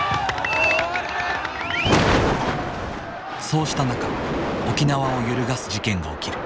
そうした中沖縄を揺るがす事件が起きる。